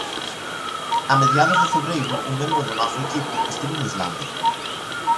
A mediados de febreiro un membro do noso equipo estivo en Islandia.